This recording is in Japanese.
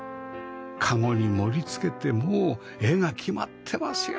籠に盛りつけてもう絵が決まってますよ